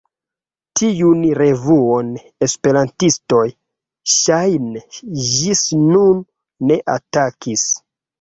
Tiun revuon esperantistoj ŝajne ĝis nun ne atakis.